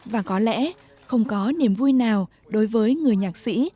và có lẽ không có niềm vui nào đối với người nhạc sĩ